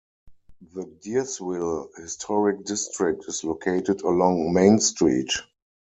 The Deersville Historic District is located along Main Street.